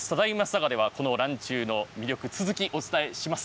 佐賀では、このらんちゅうの魅力、続きお伝えします。